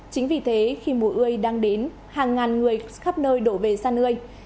chính vì thế khi mùi ươi đang đến hàng ngàn người khắp nơi đổ về săn ươi